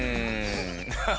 ハハハ！